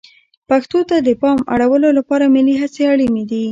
پښتو ته د پام اړولو لپاره ملي هڅې اړینې دي.